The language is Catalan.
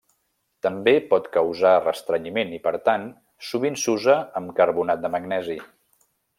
També pot causar restrenyiment i per tant sovint s'usa amb carbonat de magnesi.